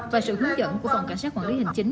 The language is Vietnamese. và sự hướng dẫn của phòng cảnh sát quản lý hành chính